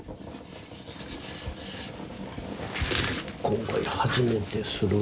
今回初めてする。